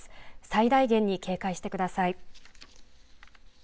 最大限に警戒してください。